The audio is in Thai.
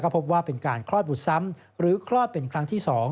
พบว่าเป็นการคลอดบุตรซ้ำหรือคลอดเป็นครั้งที่๒